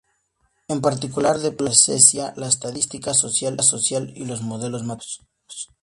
En particular, desprecia la estadística social y los modelos matemáticos.